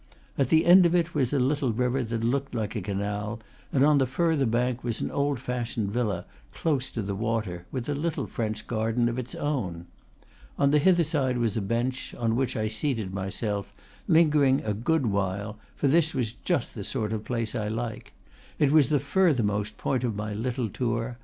At the end of it was a little river that looked like a canal, and on the further bank was an old fashioned villa, close to the water, with a little French garden of its own. On the hither side was a bench, on which I seated myself, lingering a good while; for this was just the sort of place I like. It was the furthermost point of my little tour.